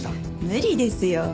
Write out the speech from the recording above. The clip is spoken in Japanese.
無理ですよ。